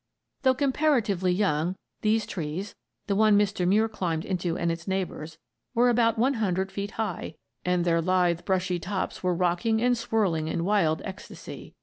] Though comparatively young, these trees the one Mr. Muir climbed into and its neighbors were about 100 feet high, and "their lithe, brushy tops were rocking and swirling in wild ecstasy."